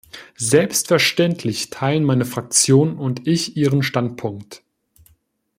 Selbstverständlich teilen meine Fraktion und ich ihren Standpunkt.